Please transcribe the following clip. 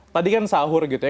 tadi kan sahur gitu ya